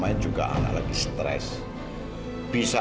itu aku kafirin